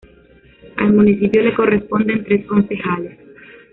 Al municipio le corresponden tres concejales.